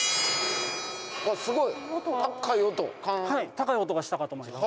高い音がしたかと思います。